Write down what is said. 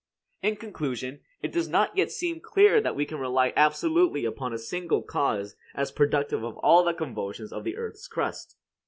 In conclusion, it does not yet seem clear that we can rely absolutely upon a single cause as productive of all the convulsions of the earth's crust.